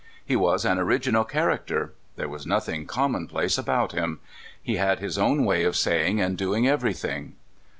He was an original character. There was nothinor common place about him. He had his own way of sa3^ing and doing everything.